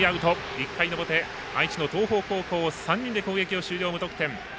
１回の表、愛知の東邦高校３人で攻撃終了、無得点。